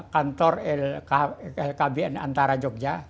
kantor kbn antara jogja